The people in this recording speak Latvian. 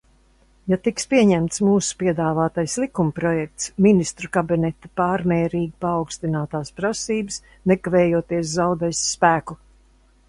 Ja tiks pieņemts mūsu piedāvātais likumprojekts, Ministru kabineta pārmērīgi paaugstinātās prasības nekavējoties zaudēs spēku.